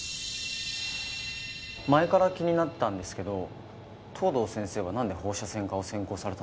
前から気になってたんですけど藤堂先生はなんで放射線科を専攻されたんですか？